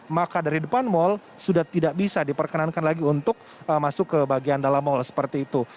maka dari depan mal sudah tidak bisa diperkenankan lagi untuk masuk ke bagian dalam mal seperti itu